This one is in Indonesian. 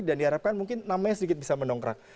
dan diharapkan mungkin namanya sedikit bisa menongkrak